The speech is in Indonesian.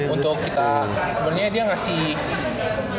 untuk kita sebenarnya dia ngasih